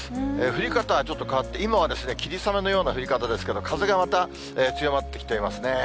降り方はちょっと変わって、今は霧雨のような降り方ですけど、風がまた強まってきていますね。